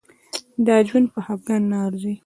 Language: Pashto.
دا ژوند په خفګان نه ارزي.